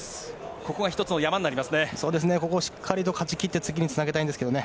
ここは１つの山になりますね。